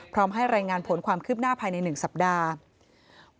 พร้อมให้รายงานผลความคืบหน้าภายใน๑สัปดาห์